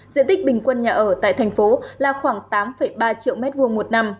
diện tích bình quân nhà ở tại tp hcm là khoảng tám ba triệu m hai một năm